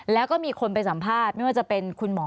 แล้วก็มีคนไปสัมภาษณ์ไม่ว่าจะเป็นคุณหมอ